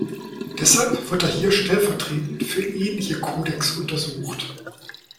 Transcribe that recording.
Deshalb wird er hier stellvertretend für ähnliche Codecs untersucht.